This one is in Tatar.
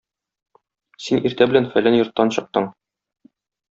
Син иртә белән фәлән йорттан чыктың.